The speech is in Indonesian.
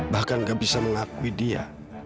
bahkan gak bisa mengakui dia